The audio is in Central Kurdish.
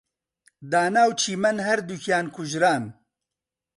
دانا و چیمەن هەردووکیان کوژران.